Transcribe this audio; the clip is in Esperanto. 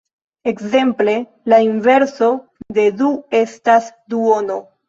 Ekzemple: La inverso de du estas duono.